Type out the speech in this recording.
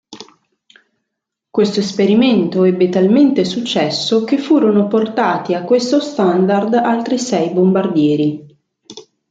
Questo esperimento ebbe talmente successo che furono portati a questo standard altri sei bombardieri.